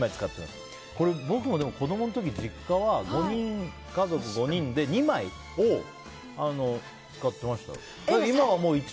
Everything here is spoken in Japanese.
でも、僕も子供のころ実家は５人家族で２枚を使ってました。